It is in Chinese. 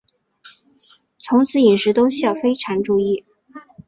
从此饮食都需要非常注意